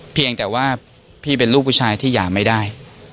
เพียงแต่ว่าพี่เป็นลูกผู้ชายที่หย่าไม่ได้